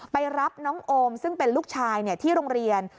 ไปรับน้องโอมซึ่งเป็นลูกชายที่โรงเรียน